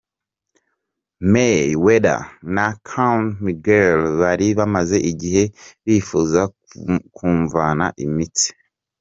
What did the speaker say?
Mayweather na Conor McGregor bari bamaze igihe bifuza kumvana imitsi